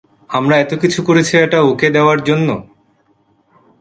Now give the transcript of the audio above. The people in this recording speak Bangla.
আমরা এত কিছু করেছি এটা ওকে দেওয়ার জন্য?